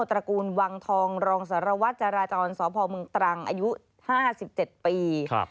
ตระกูลวังทองรองสารวัตรจราจรสพมตรังอายุ๕๗ปี